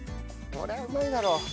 こりゃうまいだろ。